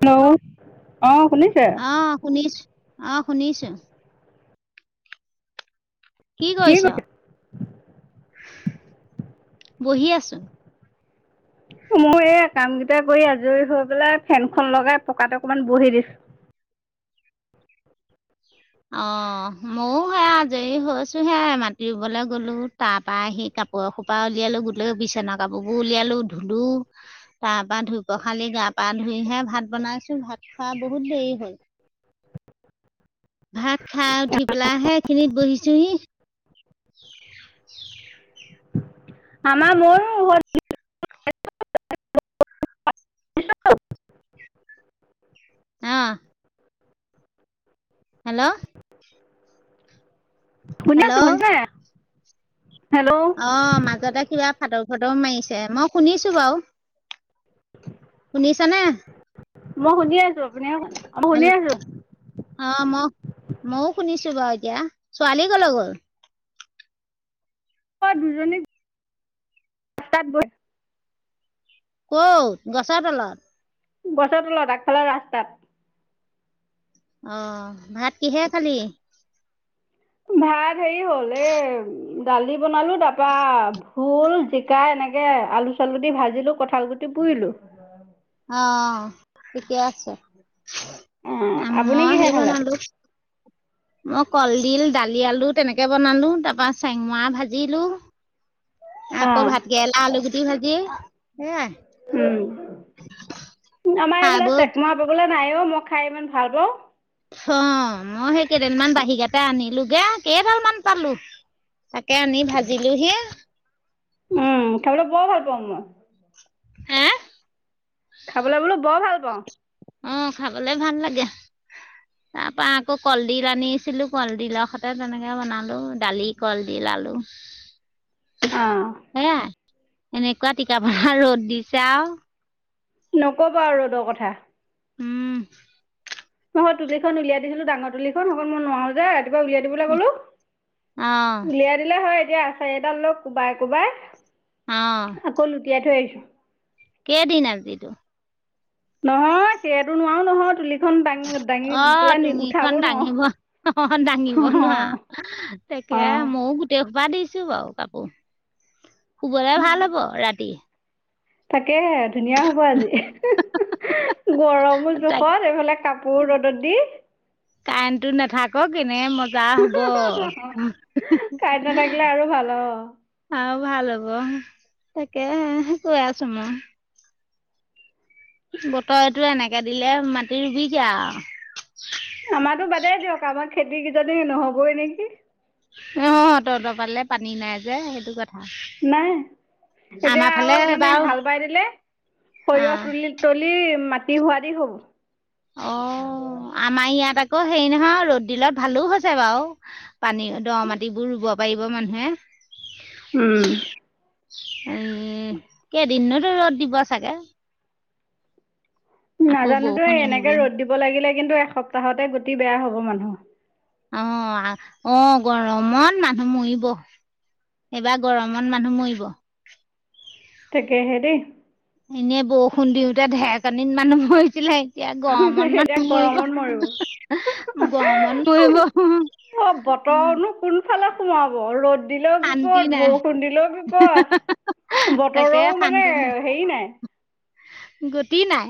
Hello, অ', শুনিছে? আহ শুনিছো আহ শুনিছো। কি কৰিছ? বহি আছো। [unintelligible] এই কাম কেইটা কৰি আজৰি হৈ পেলাই ফেনখন লগাই পকাতে অকমান বহি দিছো। অ', ময়ো সেয়া আজৰি হৈছোহে, মাটি ৰুবলৈ গলো তাৰ পৰা সি কাপোৰ এসোপা উলিয়ালো গো লৈ বিচনা কাপোৰবোৰ উলিয়ালো ধুলো, তাৰ পৰা ধুই পখালি গা - পা ধুই হে ভাত বনাই ভাত খোৱা বহুত দেৰি হ'ল। ভাত খাই উঠি পেলাই হে খিনিত বহিছোহি। আমাৰ ময়ো েল [unintelligible] আহ। হেল্ল'। শুন আছো হেল্ল' শট [unintelligible] অ' মাজতে কিবা ফাটৌ ফাটৌ মাৰিছে মই শুনিছো বাৰু। শুনিছানে মই শুনি আছো। আপুনি মই হ, শুনি আছো অ' মই ময়ও শুনিছো বাৰু। এতিয়া ছোৱালী ক'লে গ'ল? দুজনী তাত গৈ [inaudible] ক'ত গছৰ তলত। বছৰ লত আগফালে ৰাস্তাত। অ' ভাত কিহে খালি? ভাত হেৰি হ'ল এ দালি বনালো তাৰাপা ভোল জিকাই ন সনেকে আলু- চালুদি ভাজিলো কঁঠাল গুটি পুৰিলো। অ' ঠিকেই আছে। অ আপুনি মই কিহে হেৰি খালে বনালো। মই কলডিল দালি আলু তেনেকে বনালো, তাৰপৰা চেংমৰা ভাজিলো। অ আকৌ ভাতকৰেলা আলু গুটি ভাজি হে উম আমাৰ এইফালে চেংমৰা পাবলৈ নাই অ' মই খাই ইমান ভাল পাওঁ। অ' মই সেই কেইদিনমান বাহি কেটা আনিলোগে, কেইডালমান পালোঁ। তাকে আনি ভাজিলোঁ হি। উম, খাবলৈ বৰ ভাল পাওঁ মই। হে? খাবলৈ বোলো বৰ ভাল পাওঁ। অ' খাবলে ভাল লাগে। তাৰ পৰা আকৌ কলডিল আনিছিলোঁ। কলডিলৰ সতে তেনেকে বনালোঁ, দালি কলডিল আলু। অ'। সেয়াই এনেকুৱা টিকা ভা ৰ'দ দিছে আও। নকবা ৰ'দৰ কথা। উম। মই তুলিখন উলিয়াই দিছিলোঁ, ডাঙৰ তুলিখন। অকল মই নোৱাৰোঁ যে ৰাতিপুৱা উলিয়াই দিবলৈ ক'লো। অ' উলিয়াই দিলে হয় এতিয়া আছাৰিডাল লৈ কোবাই - কোবাই অ'। তিয়াই থৈ আহিছোঁ। কেইদিন আজি তোৰ? নহয় সেইটো নোৱাও নহয় তুলি অ', তুঙিখন নোৱাৰো। দাঙিব অ', দাঙিব অ' নোৱাৰা। তাকে অ' ময়ো গোটেই খোপা দিছ ছো বাৰু কাপোৰ শুবলৈ ভাল হ'ব ৰাতি। তাকে ধুনীয়া হ'ব আজি গৰম মোৰ তাক জোখত এইফালে কাপোৰ ৰ'দত দি কাৰেণ্টটো নাথাকক। এনে মজা হ'ব আৰু। কাৰেণ্ট নাথাকিলে আৰু ভাল অ'। ভাল হ'ব তাকে কৈ আছো মই। বতৰটো এনেকে দিলে মাটি ৰুবিগে আৰু। আমাটো বাদে দিয়ক আমাৰ খেতিকেইজনী নহ'বই নেকি। অ', তহঁতৰ ফালে পানী নাই যে সেইটো কথা নাই এতিয়া আমাৰ আৰু ফালে মানে বাৰু হাল বাই দিলে। সৰিয়ঁহ অ' তুলি তলি মাটি হোৱাৰি হ'ব। অ', আমাৰ ইয়াত আকৌ হেৰি নহয় ৰ'দ দিলত ভালো হৈছে বাৰু পানী দ মাটিবোৰ ৰুব পাৰিব মানুহে। উম, উম কেইদিননো ৰ'দ দিব চাগে। আকৌ নাজানোতো বৰষুণ এনেকে আহিবই। ৰ'দ দিব লাগিলে কিন্তু এসপ্তাহতে গতি বেয়া হ'ব মানুহৰ। আহ আহ গৰমত মানুহ মৰিব। এইবাৰ গৰমত মানুহ মৰিব। তাকেহে দেই। এনে বৰষুণ দিওঁতে ধেৰেকনিত মানুহ মৰিছিলে। এতিয়া গৰমত এতিয়া মানুহ গৰমত মৰিব গৰমত মৰিব। অ', বতৰনো কোনফালে সোমাব ৰ'দ দিলেও শান্তি বিপদ নাই বৰষুণ দিলেও বিপদ, তাকে বতৰো মানে শান্তি নাই হেৰি নাই। গতি নাই।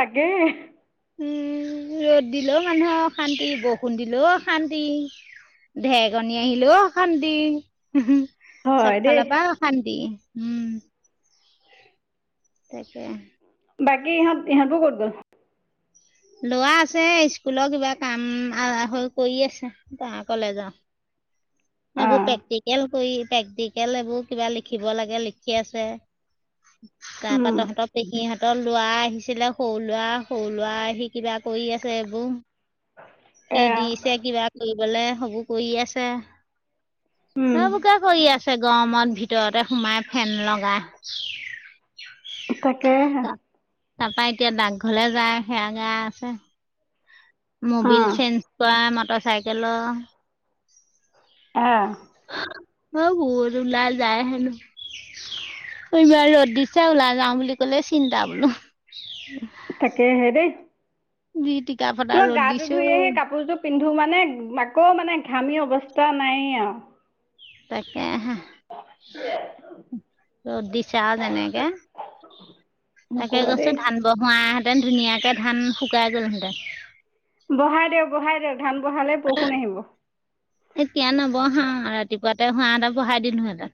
লাগে। উম ৰ'দ দিলেও মানুহৰ অশান্তি বৰষুণ দিলেও অশান্তি। ঢেৰেকনি আহিলেও অশান্তি। হয় চব দেই ফালৰ পা অশান্তি উম। তাকে। বাকী ইহঁত ইহঁতকো ক'ত গ'ল? ল'ৰা আছে স্কুলৰ কিবা কাম হৈ কৰি আছে কলেজৰ নবু অঁ প্ৰেকটিকেল ক প্ৰেক্টিকেল এইবোৰ কিবা লিখিব লাগে লিখি আছে। তাৰ পৰা উম তহঁতৰ পেকিহঁতৰ ল'ৰা আহিছিলে সৰু ল'ৰা সৰু ল'ৰা আহি কিবা কৰি আছে এইবোৰ কি এয়া দিছে কিবা কৰি? গ'লে সবো কৰি আছে। উম এ বোকে কৰি আছে গৰমত ভিতৰতে সোমাই ফেন লগাই। তাকেহে। তাৰপা এতিয়া ডাকঘৰলে যায় সেৰাঙে আছে মবিল অঁ চেঞ্জ কৰা মটৰ চাইকেলৰ আহ। অ', বোৰ ওলাই যায় হেনো। কবা ৰ'দ দিছোই ওলাই যাওঁ বুলি ক'লে চিন্তা বোলো। থাকে হে দে। দিক [unintelligible] মই গা টো ধুই আহি কাপোৰ তটো পিন্ধি মানে আকৌ মানে ঘামি অৱস্থা নাই আৰু। তাকেহে, ৰ'দ দিছে আৰু যেনেকে। তাকে নক'বা কৈছোঁ দেই ধান বহোৱাহেঁতেন ধুনীয়াকে ধান শুকাই গ'লহেঁতেন। বহাই দিয়ক, বহাই দিয়ক। ধান বহালে বৰষুণ আহিব। এতিয়া নবহাও। ৰাতিপুৱাতে হোৱা বহাই দিলোহেতেন।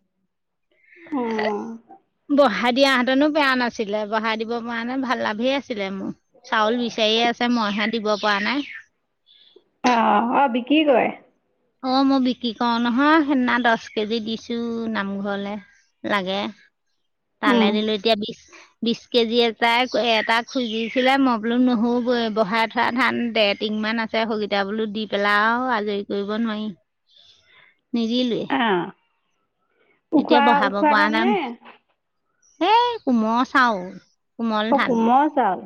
ব বহাই দিয়াহঁতেনো বেয়া নাছিলে। বহাই দিব পৰা নে ভাল লাভেই আ ছিলে মোৰ। চাউল বিচাৰিয়ে আছে, মইহে দিব পৰা নাই। অহ অ বিকি কয়। অ মই বিক্ৰী কৰো নহয় সেইদিনা দছ কেজি দিছো নামঘৰলে। লাগে তালে দিলো এতিয়া বিছ। বিছ কেজি এটাই এটা খুজিছিলে মই বোলো নহবই বহাই থোৱা ধান দেৰটিঙ ইমান আছে সৌগিতা বোলো দি পেলাইও আজৰি কৰিব নোৱাই। নিদিলোৱে অঁ এতিয়া উখোৱা বহাব উখোৱা পৰা নাম। ধাননে হে কোমল চাউল। কোমল অ ধান কোমল চাউল।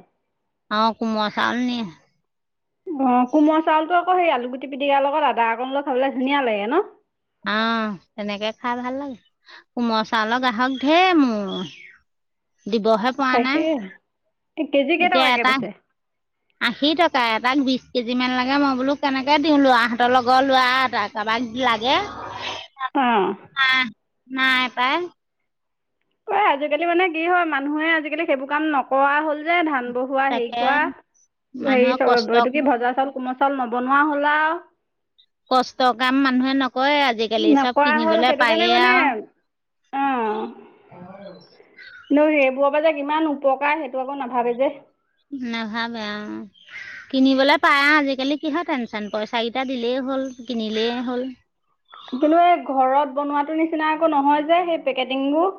অ কোমল চাউল নিয়ে। অ কোমল চাউলটো আক সেই আলুগুটি পিটিকাৰ লগত আধা অকণ লগ খাবলে ধুনীয়া লাগে ন। আহ তেনেকে খাই ভাল লাগে। কোমল চাউলৰ গ্ৰাহক ধেৰ মোৰ। [inaudible] দিবহে পোৱা নাই। তাকে কেজি এতিয়া কেইটকাকে এটা বেচে? আশী টকা। এ তাক বিথ কেজি মান লাগে মই বোলো কেনেকে দিওঁ ল'ৰাহঁতৰ লগৰ লৰা এটাক কবাক [unintelligible] লাগে। অ। নাই নাই পাই। অ আজিকালি মানে কি হয় মানুহে আজিকালি সেইবোৰ কাম নকৰা হ'ল যে ধান বহোৱা হেৰি তাকে কৰা হেৰি মানুহৰ চ কষ্ট এইটো কি ভজা চাউল কোমল চাউল নবনোৱা হ'লা আও। কষ্টৰ কাম মানুহে নকৰে আজিকালি চব কিনিবলে পায়ে আ। অহ। ল সেইবোৰ পৰা কিমান উপকাৰ সেইটো আকৌ নাভাবে যে। নাভাবে আও কিনিবলে পাই আজিকালি কিহৰ টেনচন পইচা কিটা দিলেই হ'ল কিনিলেই হ'ল কিন্তু এই ঘৰত বনোৱাটো নিচিনা আকৌ নহয় যে সেই পেকেটিংবোৰ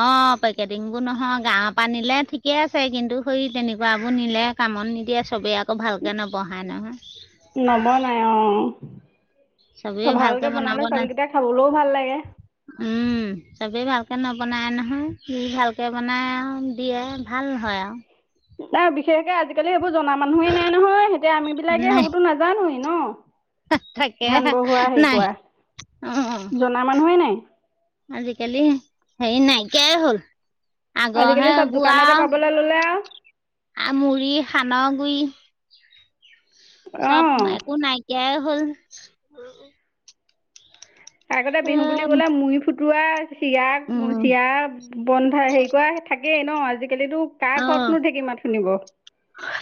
অ পেকেটিং বোৰ নহয় গাঁৱৰ পৰা নিলে ঠিকে আছে কিন্তু হৌই তেনেকুৱাবোৰ নিলে কামত নিদিয়ে চবেই আকৌ ভালকে নবহায় নহয় নবনাই অ চবে ভালকে বনাব বনালে নাজ চাউলকেইটা খাবলৈও ভাল লাগে উম চবেই ভাল কে নবনাই নহয় দি ভালকে বনাই আৰু দিয়ে ভাল হয় আও নাই বিশেষকে আজিকালি সেইবোৰ জনা মানুহেই নাই নহয় এতিয়া আমি আৰু বিলাকে নাই সেইবোৰতো নাজানোৱেই ন তাকে ধান বহোৱা হেৰি নাই কৰা অঁ জনা মানুহে নাই আজিকালি হেৰি নাইকিয়াই হ'ল আগৰহে আজিকালি চব বোৱা দোকানতে আও পাবলৈ ললে আৰু আ মুই সা-ন গুৰি চব অঁ একো নাইকিয়াই হ'ল আগতে বিহু বুলি ক'লে মুই ফুটোৱা চিৰাক চিৰা বন্ধা হেৰি কৰা থাকেই ন আজিকালিতো কাৰ অঁ ঘৰতনো ঢেকি মাত শুনিব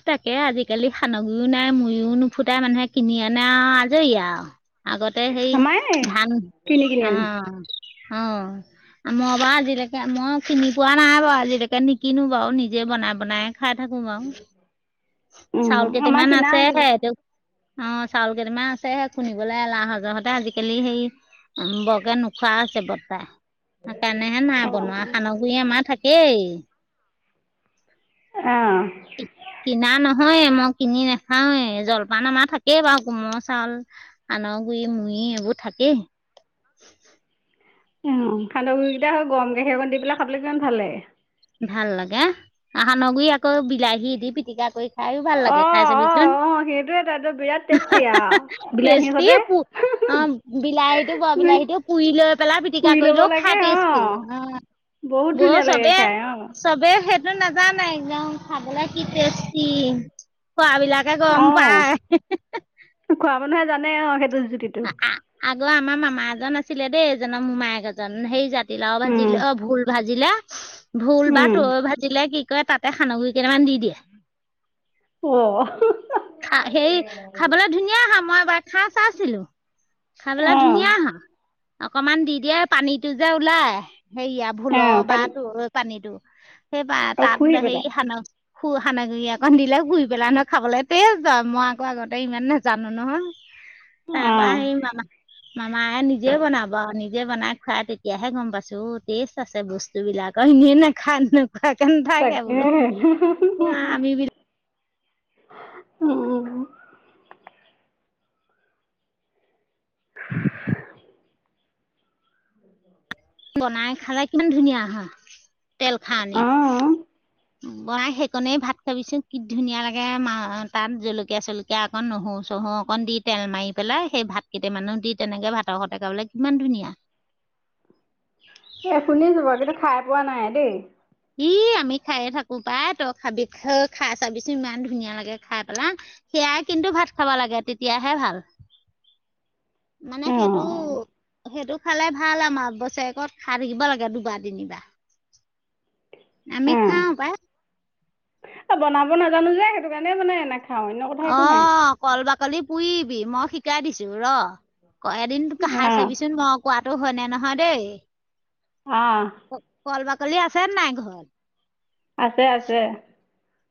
তাকে আজিকালি সানগুৰিও নাই মুৰিও নুফুটাই মানুহে কিনি আনে আও আজৰি আও আগতে সেই আমাৰে ধান কিনি কিনি অ আনো অ মই বাৰু আজিলেকে মই কিনি পোৱা নাই বাৰু আজিলেকে নিকিনো বাও নিজে বনাই বনাই খাই থাকো বাও উম চাউল আমাৰ কেইটামান কিনা কিনা আছেহে অঁ চাউল কেইটামান আছেহে, খুন্দিবলে এলাহজতে আজিকালি সেই বৰকে নোখোৱা আছে বৰ্তাই সেইকাৰণে হে নাই অঁ বনোৱা, সান্দগুৰি আমাৰ থাকেই। অঁ অঁ নহয়েই মই কিনি নাখাওৱেই জলপান আমাৰ থাকেই বাৰু কোমল চাউল সানৰ গুৰি তুই এইবোৰ থাকেই। [inaudible] উম সান্দ গুৰি কেইটা হয় গৰম গাখীৰ অকমান দি পেলাই খাবলৈ কিমান ভাল লাগে। ভাল লাগে। সানগুৰি আকৌ বিলাহী দি পিটিকা কই‌ খাইয়ো ভাল লাগে। খাই অঁ অঁ চাবিচোন। অঁ সেইটোৱে তাতো বিৰাট টেষ্টি আৰু [unintelligible] বিলাহীৰ টেষ্টি অঁ সৈতে বিলাহীটো বৰ বিলাহীটো পুৰি লৈ পেলাই পিটিকা পুৰি ল'ব কৰিলেও লাগে খাই টেষ্টি অ', অঁ বহুত ধুনীয়া লাগে খাই। অ', চবেই সেইটো নাজানে। একদম খাবলে কি টেষ্টি খোৱাবলাকে গ'ম অ', পায়। খোৱা মানুহে জানে অঁ সেইটো জ্যোতিটো আ- আ- আগৰ আমাৰ মামা এজন আছিলে দেই, এইজনৰ মোমায়েক এজন সেই জাতিলাওঁ উম, ভাজিল অ ভোল ভাজি জিলে ভোল বা উম, তৈ ভাজিলে কি কই তাতে সান্দগুৰি কেইটামান দি দিয়ে। ওৱ [unintelligible] খা হেৰি খাবলৈ ধুনীয়া হা মই এবাৰ খা চাইছিলো। খাবলৈ অ', ধুনীয়া হয়, অকমান দি দিয়ে পানীটো যে ওলাই। সেৰিয়া অ', ভুলৰ পৰা পানী তোৰ পানীটো। অ', শুহি পেলাই [unintelligible] দিলে শুই পেলাই নহয় খাবলে। তে য মই আকৌ আগতে ইমান নেজানো নহয়। তাৰ পৰা অ', সেই মামা মামাই নিজে বনাব আৰু। নি জে বনাই খুৱাই তেতিয়াহে গম পাইছো টেষ্ট আছে বস্তুবিলাকৰ এনে নাখায় নো। তাকেহে। আমি বিলাক উম। বনাই খালে কিমান ধুনীয়া হয়, তেল খাৰ আনি। অ', বনাই সেইকনেই ভাত খাবিচোন, কি ধুনীয়া লাগে তাত জলকীয়া-চলকীয়া অকণ নহৰু-চহৰু চহৰু অকণ দি তেল মাৰি পেলাই সেই ভাত কেইটামানো দি তেনেকে ভাতৰ সতে খাবলে কিমান ধুনীয়া। [inaudible] এ শুনিছো বাৰু, কিন্তু খাই পোৱা নাই দেই। ই আমি খাইয়ে থাকো পাই, তই খাবি খাই চাবিচোন ইমান ধুনীয়া লাগে খাই পেলা। সেয়াই কিন্তু ভাত খাব লাগে তেতিয়াহে ভাল। [inaudible] মানে অ', সেইটো সেইটো খালে ভাল আমাৰ বছৰেকত খাই থাকিব লাগে দুবাৰ-তিনিবাৰ। আমি খাওঁ বা। অ' বনাব নাজানো যে, সেইটো কাৰণে মানে এনেক অ' কল বা কলি পুৰিবি মই শিকাই দিছো, ৰ! ক এদিন খাই অ', চাবিচোন মই কোৱা টো হয়নে নহয় দেই অ', ক'ল বাকলি আছে নে নাই ঘৰত? আছে - আছে।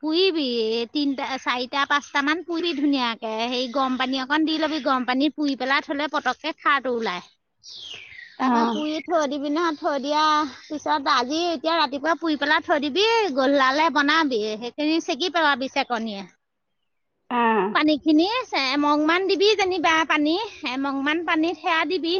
পুৰিবি এ তিনটা, চাৰিটা, পাঁচটা মান পুৰি ধুনীয়াকে সেই গৰম পানী অকন দি লবি গৰম পানী পুৰি পেলাই থলে পতককে খাৰটো ওলাই। তাৰ পা অ', পুৰি থৈ দিবি নহ থৈ দিয়া পিছত আজি এতিয়া ৰাতিপুৱা পুৰি পেলাই থৈ দিবি গোধলালে বনাবি সেইখিনি চেগি পেলাবি চেকনিয়ে অ', পানী খিনি এ মগমান দিবি যেনিবা পানী এ মগমান পানীত সেয়া দিবি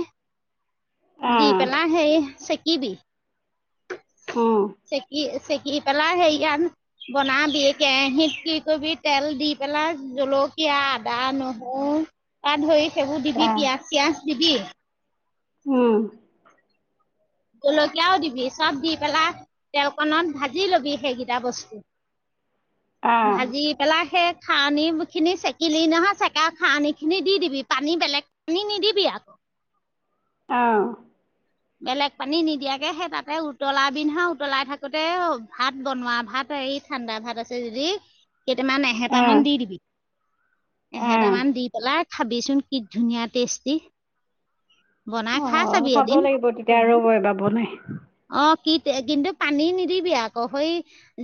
দিপেলাই হেৰি চেকিবি-চেকি- চেক দি পেলাই সেয়ান বনাবি কেৰাহিত কি কৰিবি তেল দি পেলাই জলকীয়া সেয়া আদা নহৰু পা ধৰি সেইবোৰ দিবি পিয়াঁজ চিয়াজ দিবি উম জলকীয়াও দিবি, চব দি পেলাই তেলকনত ভাজি ল'বি সেইকিটা বস্তু ভাজি পেলাই সেই খাৰনিখিনি চেকিলি নহয়, চেকা খাৱনিখিনি দি দিবি, পানী বেলেগ পানী নিদিবি আকৌ। অ'। বেলেগ পানী নিদিয়াকে সেই তাতে উতলা পিন্ধা উতলাই থাকোঁতে ভাত বনোৱা ভাত এই ঠাণ্ডা ভাত আছে যদি কেইটামান এহেতা মান দি দিবি এহেতামান দি পেলাই খাবিচোন কি ধুনীয়া টেষ্টি। বনাই খাই অ', চাবি খাব এদিন। তেতিয়া আৰু [unintelligible] কি-কিন্তু পানী নিদিবি আকৌ সই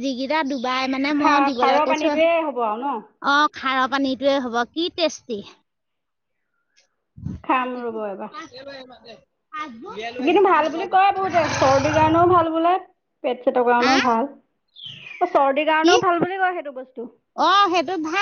যিকিটা ডু বাই মানে খা মই দিবলৈ খাৰৰ কৈছোঁ পানীটোৱে হ'ব আৰু ন? অ', খাৰৰ পানীটোৱে হ'ব। কি টেষ্টি খাম ৰ'ব এবাৰ। [unintelligible] কিন্তু ভাল বুলি কয় বহুতে চৰ্দিৰ কাৰণেও ভাল, বোলে পেট পেটৰ কাৰণেও আহ ভাল, চৰ্দিৰ কি কাৰণেও ভাল বুলি কয় সেইটো বচ অ', সেইটো ভা